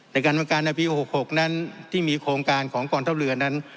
ในการบริการในปี๖๖นั้นที่มีโครงการของกองทัพเรือนั้น